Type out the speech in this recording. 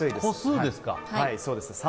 そうです。